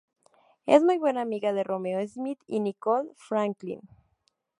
Es muy buena amiga de Romeo Smith y Nicole Franklin.